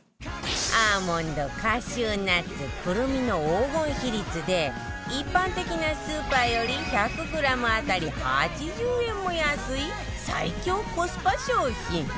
アーモンドカシューナッツくるみの黄金比率で一般的なスーパーより１００グラム当たり８０円も安い最強コスパ商品